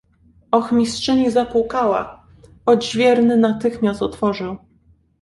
"Ochmistrzyni zapukała; odźwierny natychmiast otworzył."